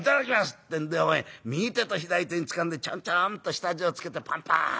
ってんで右手と左手につかんでちょんちょんと下地をつけてパンパーン。